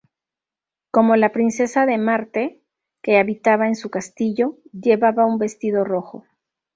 Como la Princesa de Marte, que habitaba en su castillo, llevaba un vestido rojo.